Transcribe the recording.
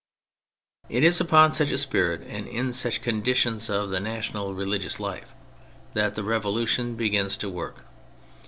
It is upon such a spirit and in such condi tions of the national religious life that the Revolution begins to work.